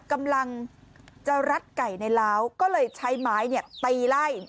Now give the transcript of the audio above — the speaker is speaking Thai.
กำลังจะรัดไก่ในล้าวก็เลยใช้ไม้เนี่ยตีไล่